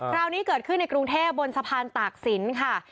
คราวนี้เกิดขึ้นในกรุงเทพบนสะพานตากศิลป์ค่ะ